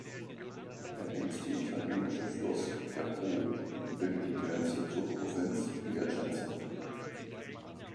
Der längste italienische Fluss, der Po, bildet die Grenze zur Provinz Piacenza.